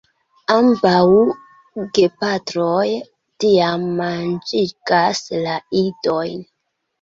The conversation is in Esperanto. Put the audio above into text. Ambaŭ gepatroj tiam manĝigas la idojn.